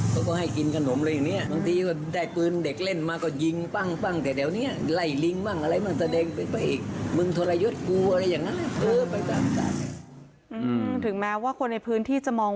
เขาก็ให้กินขนมแบบนี้บางทีได้พื้นเด็กเล่นมาก็ยิงปั้้งปั้้ง